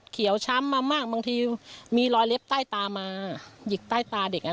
ช้ำมามากบางทีมีรอยเล็บใต้ตามาหยิกใต้ตาเด็กอ่ะ